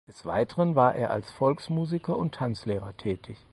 Des Weiteren war er als Volksmusiker und Tanzlehrer tätig.